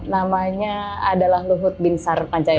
namanya adalah luhut bin sar pancaya